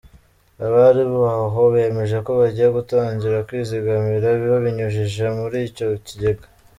Abari aho bemeje ko bagiye gutangira kwizigamira babinyujije muri icyo kigega.